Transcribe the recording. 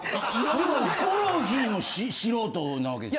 ・ヒコロヒーも素人なわけでしょ？